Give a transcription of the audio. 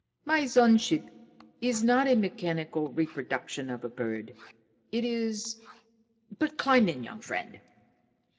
My sun ship is not a mechanical reproduction of a bird. It is but, climb in, young friend."